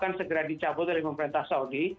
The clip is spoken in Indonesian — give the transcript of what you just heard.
yang segera dicabut dari pemerintah saudi